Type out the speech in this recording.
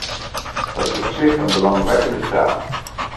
Dat is op zich een belangwekkende vraag.